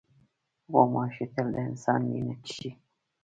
غوماشې تل د انسان وینه څښي.